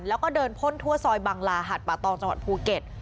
แล้วก็เดินพ่นทั่วซอยบังลาหัดป่าตองจังหวัดภูเก็ต